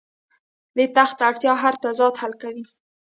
د تخت اړتیا هر تضاد حل کوي.